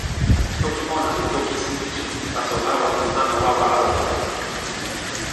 toki pona li toki sin kin, taso lawa li pana wawa ala e ona.